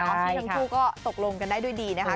ที่ทั้งคู่ก็ตกลงกันได้ด้วยดีนะคะ